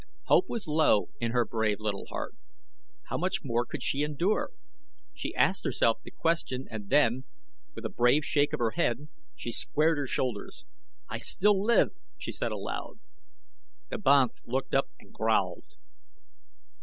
Hope was low in her brave little heart. How much more could she endure? She asked herself the question and then, with a brave shake of her head, she squared her shoulders. "I still live!" she said aloud. The banth looked up and growled.